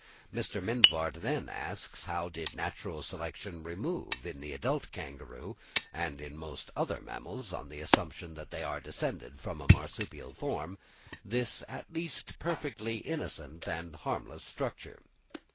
Mr. Mivart then asks how did natural selection remove in the adult kangaroo (and in most other mammals, on the assumption that they are descended from a marsupial form), "this at least perfectly innocent and harmless structure?"